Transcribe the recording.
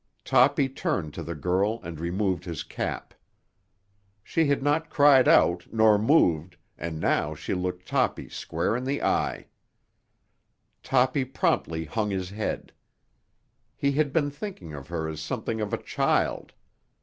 Toppy turned to the girl and removed his cap. She had not cried out nor moved, and now she looked Toppy squarely in the eye. Toppy promptly hung his head. He had been thinking of her as something of a child.